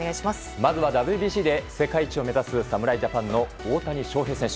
まずはＷＢＣで世界一を目指す侍ジャパンの大谷翔平選手。